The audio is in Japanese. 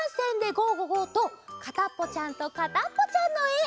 ゴ・ゴー！」と「かたっぽちゃんとかたっぽちゃん」のえ。